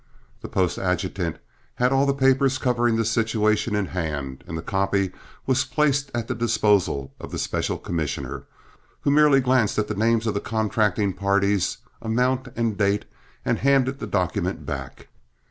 The post adjutant had all the papers covering the situation in hand, and the copy was placed at the disposal of the special commissioner, who merely glanced at the names of the contracting parties, amount and date, and handed the document back.